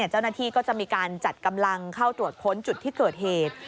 เจ้าหน้าที่ก็จะมีการจัดกำลังเข้าตรวจค้นจุดที่เกิดเหตุ